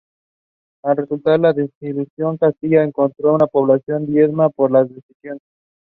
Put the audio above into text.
An original "Bloom County" strip hangs in the Iowa City Public Library.